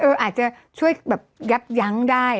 อาจจะช่วยแบบยับยั้งได้